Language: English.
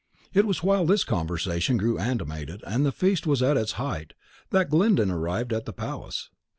It was while this conversation grew animated, and the feast was at its height, that Glyndon arrived at the palace.